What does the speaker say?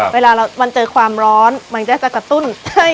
เวลามันเจอความร้อนมันก็จะกระตุ้น